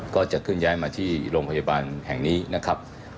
ก็จะเคลื่อนย้ายมาที่โรงพยาบาลแห่งนี้นะครับ